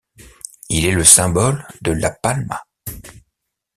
Il est le symbole de La Palma.